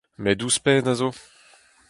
Met ouzhpenn a zo.